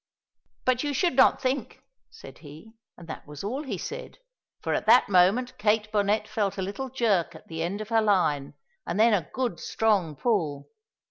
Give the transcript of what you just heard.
"But you should not think," said he, and that was all he said, for at that moment Kate Bonnet felt a little jerk at the end of her line, and then a good strong pull.